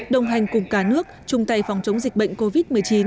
đồng hành cùng cả nước chung tay phòng chống dịch bệnh covid một mươi chín